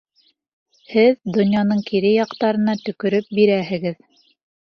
Һеҙ донъяның кире яҡтарына төкөрөп бирәһегеҙ.